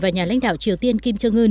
và nhà lãnh đạo triều tiên kim trương ươn